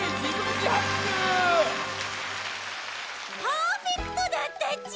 パーフェクトだったち！